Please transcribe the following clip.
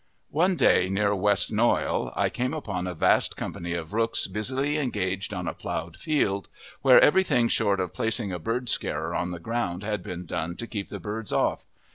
One day, near West Knoyle, I came upon a vast company of rooks busily engaged on a ploughed field where everything short of placing a bird scarer on the ground had been done to keep the birds off.